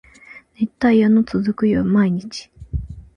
熱帯夜の続く毎日